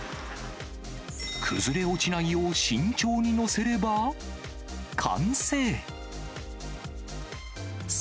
崩れ落ちないよう、慎重に載せれば、完成。